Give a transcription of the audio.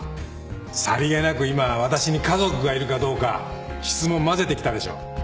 さりげなく今私に家族がいるかどうか質問交ぜてきたでしょ。